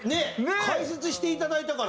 解説していただいたから。